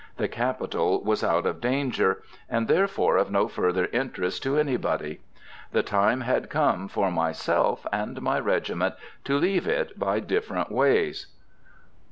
The capital was out of danger, and therefore of no further interest to anybody. The time had come for myself and my regiment to leave it by different ways.